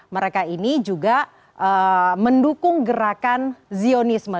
mereka ini juga mendukung gerakan zionisme